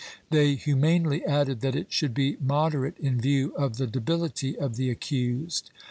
They humanely added that it should be moderate in view of the debility of the accused.